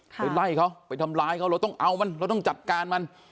ไปไล่เขาไปทำร้ายเขาเราต้องเอามันเราต้องจัดการมัน